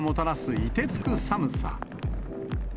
いてつく寒さ。